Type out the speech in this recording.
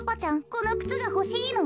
このくつがほしいの？